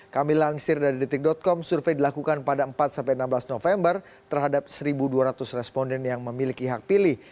kami lansir dari detik com survei dilakukan pada empat enam belas november terhadap satu dua ratus responden yang memiliki hak pilih